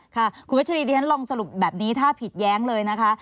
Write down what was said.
ค่ะคุณวัชรีที่ฉันลองสรุปแบบนี้ถ้าผิดแย้งเลยนะคะ